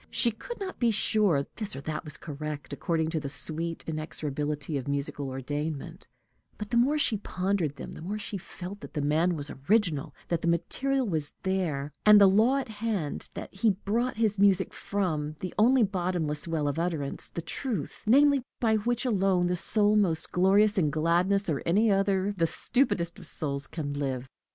She could not be sure this or that was correct, according to the sweet inexorability of musical ordainment, but the more she pondered them, the more she felt that the man was original, that the material was there, and the law at hand, that he brought his music from the only bottomless well of utterance, the truth, namely, by which alone the soul most glorious in gladness, or any other the stupidest of souls, can live.